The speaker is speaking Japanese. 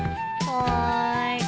はい。